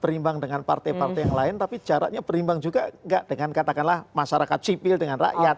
berimbang dengan partai partai yang lain tapi jaraknya berimbang juga enggak dengan katakanlah masyarakat sipil dengan rakyat